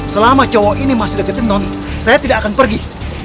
selama cowok ini masih deketin non saya tidak akan pergi